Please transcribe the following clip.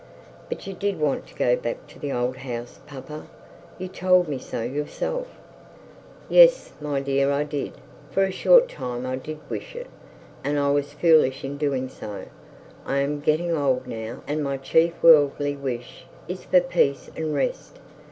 'But you did want to go back to the old house, papa. You told me so yourself.' 'Yes, my child, I did. For a short time I did wish it. And I was foolish in doing so. I am getting old now; and my chief worldly wish is for peace and rest.